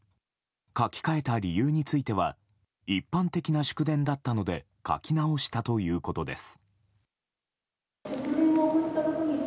書き換えた理由については一般的な祝電だったので書き直したということです。